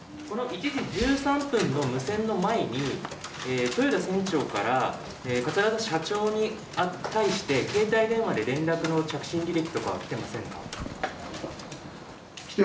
１時１３分の無線の前に豊田船長から桂田社長に対して携帯電話で連絡の着信履歴はきていませんか？